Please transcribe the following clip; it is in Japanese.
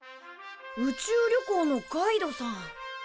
宇宙旅行のガイドさん。